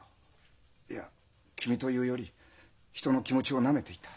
いや君というより人の気持ちをなめていた。